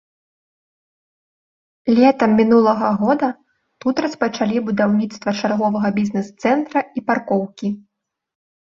Летам мінулага года тут распачалі будаўніцтва чарговага бізнес-цэнтра і паркоўкі.